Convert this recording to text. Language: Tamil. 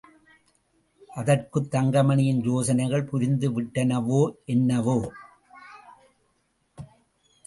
அதற்குத் தங்கமணியின் யோசனைகள் புரிந்துவிட்டனவோ என்னவோ?